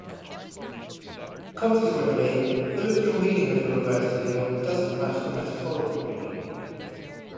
Consequently, the literal meaning of the reversed idiom doesn't match the metaphorical meaning.